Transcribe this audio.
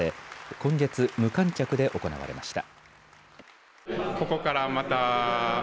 今月、無観客で行われました。